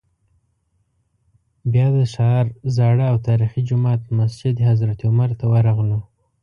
بیا د ښار زاړه او تاریخي جومات مسجد حضرت عمر ته ورغلو.